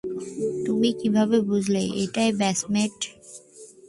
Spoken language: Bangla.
তুমি কিভাবে বুঝলে এটা বেসমেন্ট?